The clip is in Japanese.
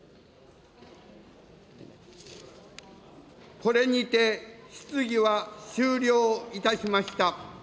これにて、質疑は終了いたしました。